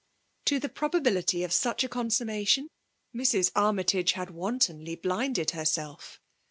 To the probability of such a consummatioBi Mrs. Armjtagc had wantonly blinded herself.